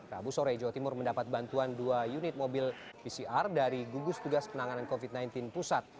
rabu sore jawa timur mendapat bantuan dua unit mobil pcr dari gugus tugas penanganan covid sembilan belas pusat